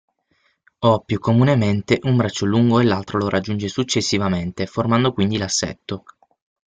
O, più comunemente, un braccio lungo e l'altro lo raggiunge successivamente, formando quindi l'assetto.